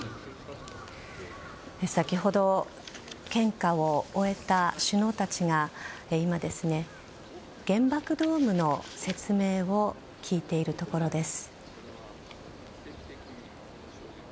先ほど献花を終えた首脳たちが今、原爆ドームの説明を聞いているところです。